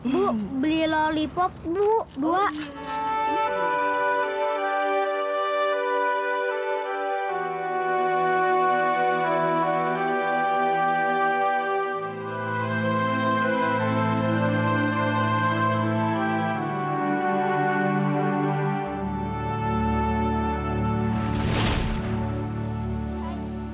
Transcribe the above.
bu beli lollipop bu dua